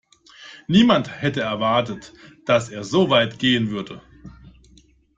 Niemand hätte erwartet, dass er so weit gehen würde.